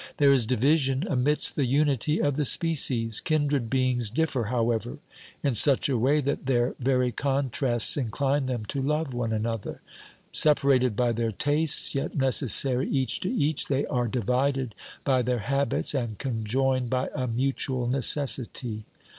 There is division amidst the unity of the species. Kindred beings differ, however, in such a way that their very contrasts incline them to love one another; separ ated by their tastes, yet necessary each to each, they are divided by their habits and conjoined by a mutual necessity.